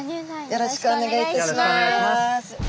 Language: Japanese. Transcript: よろしくお願いします。